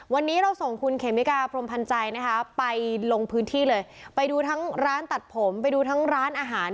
วันนี้เราส่งคุณเขมิกาพรมพันธ์ใจนะคะไปลงพื้นที่เลยไปดูทั้งร้านตัดผมไปดูทั้งร้านอาหาร